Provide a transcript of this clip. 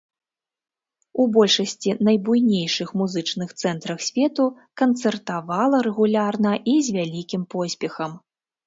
У большасці найбуйнейшых музычных цэнтрах свету канцэртавала рэгулярна і з вялікім поспехам.